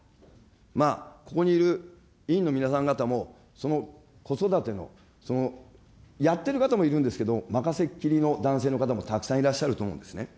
まあ、ここにいる委員の皆さん方も、その子育ての、やってる方もいるんですけども、任せっきりの男性の方もたくさんいらっしゃると思うんですね。